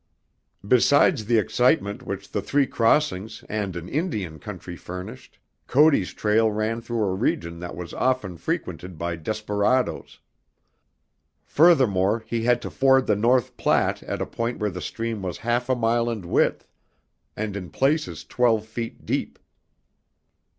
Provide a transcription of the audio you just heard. Besides the excitement which the Three Crossings and an Indian country furnished, Cody's trail ran through a region that was often frequented by desperadoes. Furthermore, he had to ford the North Platte at a point where the stream was half a mile in width and in places twelve feet deep.